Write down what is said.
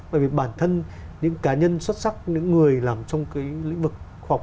bởi vì bản thân những cá nhân xuất sắc những người làm trong cái lĩnh vực khoa học